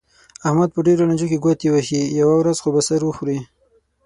احمد په ډېرو لانجو کې ګوتې وهي، یوه ورځ خو به سر وخوري.